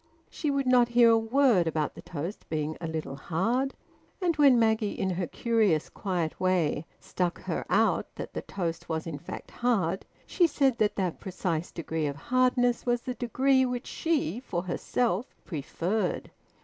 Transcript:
She would not hear a word about the toast being a little hard, and when Maggie in her curious quiet way `stuck her out' that the toast was in fact hard, she said that that precise degree of hardness was the degree which she, for herself, preferred.